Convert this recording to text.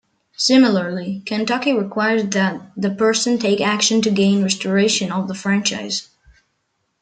Similarly, Kentucky requires that the person take action to gain restoration of the franchise.